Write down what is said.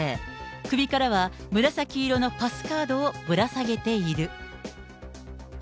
首からは紫色のパスカードをぶら下げている。